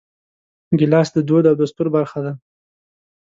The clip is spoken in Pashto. ګیلاس د دود او دستور برخه ده.